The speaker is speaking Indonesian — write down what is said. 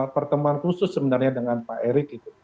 pertemuan khusus sebenarnya dengan pak erick gitu